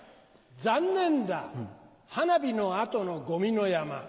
残念だ花火の後のゴミの山。